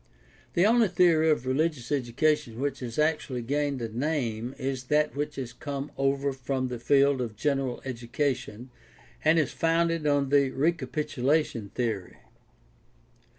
— The only theory of religious education which has actually gained a name is that which has come over from the field of general education and is founded on the recapitulation theory.